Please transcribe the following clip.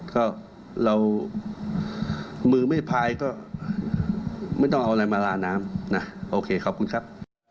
ก็เรามือไม่พายก็ไม่ต้องเอาอะไรมาลาน้ำนะโอเคขอบคุณครับ